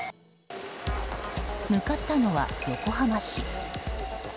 向かったのは横浜市。